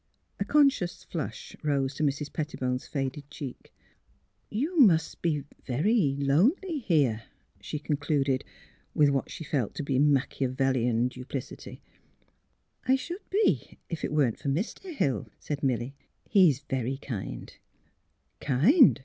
A conscious flush rose to Mrs. Pettibone's faded cheek. *' You must be very — lonely here," she con cluded, with what she felt to be machiavelian duplicity. '' I should be, if it were not for Mr. Hill, '' said Milly. '' He is very kind. '''' Kind!